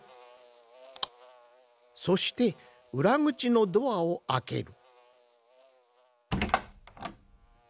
そしてうらぐちのドアをあける。